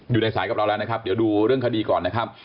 อยู่ในสายกับเราแล้วนะครับเดี๋ยวดูเรื่องคดีก่อนนะครับ